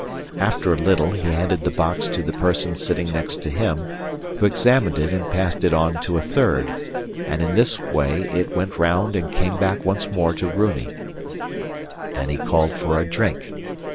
After a little he handed the box to the person sitting next to him, who examined it and passed it on to a third, and in this way it went round and came back once more to Runi. Then he called for a drink.